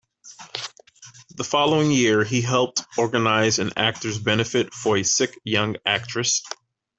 The following year, he helped organize an actor's benefit for a sick young actress.